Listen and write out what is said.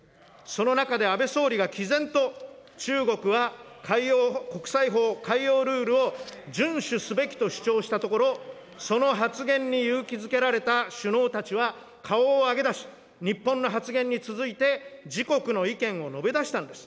その中で、安倍総理がきぜんと、中国は国際法、海洋ルールを順守すべきと主張したところ、その発言に勇気づけられた首脳たちは顔を上げだし、日本の発言に続いて、自国の意見を述べだしたのです。